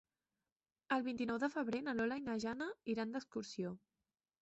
El vint-i-nou de febrer na Lola i na Jana iran d'excursió.